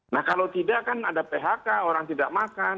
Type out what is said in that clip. nah kalau tidak kan ada phk orang tidak makan